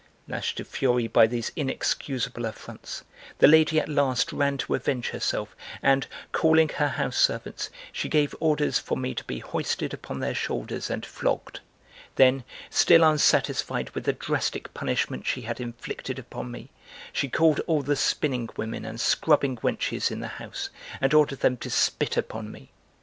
Lashed to fury by these inexcusable affronts, the lady at last ran to avenge herself and, calling her house servants, she gave orders for me to be hoisted upon their shoulders and flogged; then, still unsatisfied with the drastic punishment she had inflicted upon me, she called all the spinning women and scrubbing wenches in the house and ordered them to spit upon me.